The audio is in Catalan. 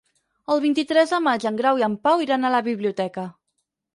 El vint-i-tres de maig en Grau i en Pau iran a la biblioteca.